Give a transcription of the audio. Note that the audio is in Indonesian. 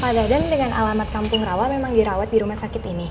pak dadan dengan alamat kampung rawa memang dirawat di rumah sakit ini